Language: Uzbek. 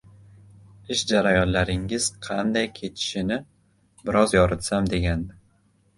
Ish jarayonlaringiz qanday kechishini biroz yoritsam degandim…